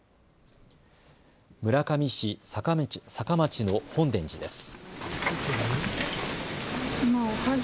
村上市坂町の本傳寺です。